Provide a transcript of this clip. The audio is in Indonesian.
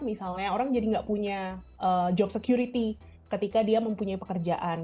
misalnya orang jadi nggak punya job security ketika dia mempunyai pekerjaan